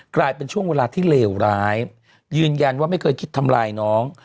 กลายเป็นช่วงเวลาที่เลวร้ายยืนยันว่าไม่เคยคิดทำลายน้อง